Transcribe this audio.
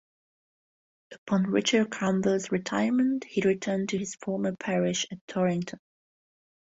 Upon Richard Cromwell's retirement he returned to his former parish at Torrington.